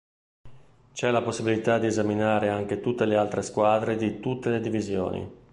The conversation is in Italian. C'è la possibilità di esaminare anche tutte le altre squadre di tutte le divisioni.